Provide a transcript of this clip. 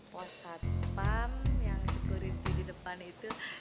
posat pam yang security di depan itu